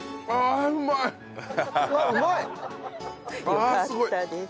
よかったです。